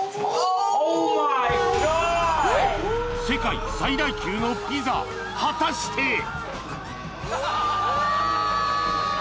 ［世界最大級のピザ果たして！？］